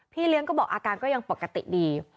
เลี้ยงก็บอกอาการก็ยังปกติดี